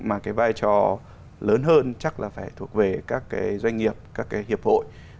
mà cái vai trò lớn hơn chắc là phải thuộc về các cái doanh nghiệp các cái hiệp hội